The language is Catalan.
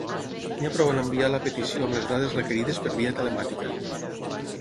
N'hi ha prou amb enviar la petició amb les dades requerides per via telemàtica.